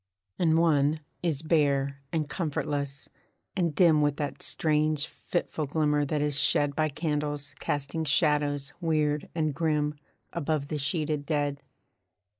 And one is bare, and comfortless, and dim With that strange, fitful glimmer that is shed By candles casting shadows weird and grim, Above the sheeted dead.